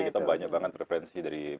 jadi kita banyak banget preferensi dari